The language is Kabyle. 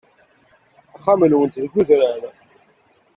Axxam-nnunt deg udrar.